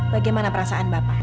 bagaimana perasaan bapak